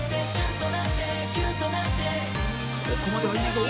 ここまではいいぞ